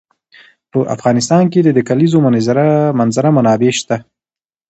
په افغانستان کې د د کلیزو منظره منابع شته.